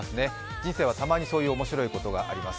人生はたまにそういう面白いことがあります。